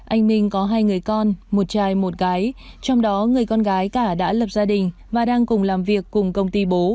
anh minh có hai người con một trai một gái trong đó người con gái cả đã lập gia đình và đang cùng làm việc cùng công ty bố